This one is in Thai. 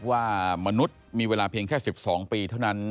ว่ามนุษย์มีเวลาเพียงแค่๑๒ปีเท่านั้น